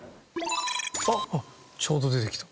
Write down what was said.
あっちょうど出てきた。